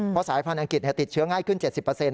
เพราะสายพันธ์อังกฤษติดเชื้อง่ายขึ้น๗๐